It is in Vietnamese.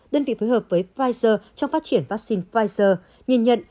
đơn vị phối hợp với pfizer trong phát triển vaccine pfizer nhìn nhận